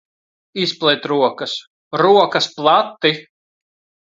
Izplet rokas. Rokas plati!